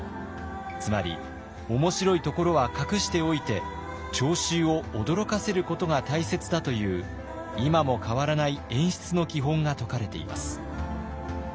つまり面白いところは隠しておいて聴衆を驚かせることが大切だという今も変わらない演出の基本が説かれています。